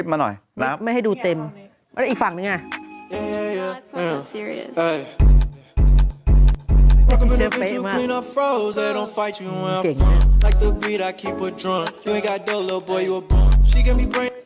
ก็ยังดูอีกฝั่งหนึ่งด้วยมันจะลิ้งก์กันใช่ไหม